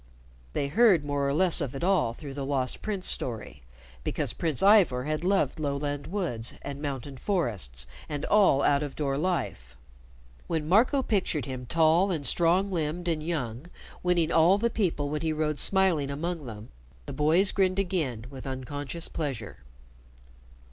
They heard more or less of it all through the Lost Prince story, because Prince Ivor had loved lowland woods and mountain forests and all out of door life. When Marco pictured him tall and strong limbed and young, winning all the people when he rode smiling among them, the boys grinned again with unconscious pleasure.